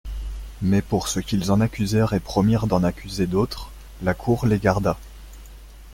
Mais pour ce qu'ils en accusèrent et promirent d'en accuser d'autres, la cour les garda.